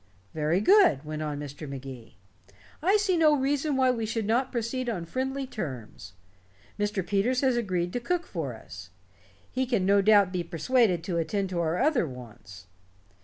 "Very good," went on Mr. Magee. "I see no reason why we should not proceed on friendly terms. Mr. Peters has agreed to cook for us. He can no doubt be persuaded to attend to our other wants.